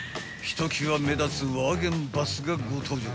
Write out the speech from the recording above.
［ひときわ目立つワーゲンバスがご登場］